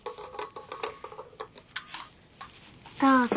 どうぞ。